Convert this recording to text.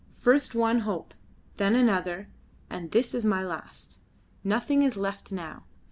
First one hope, then another, and this is my last. Nothing is left now.